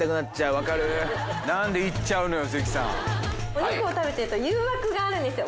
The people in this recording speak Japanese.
お肉を食べてると誘惑があるんですよ。